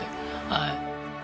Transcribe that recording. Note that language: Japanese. はい。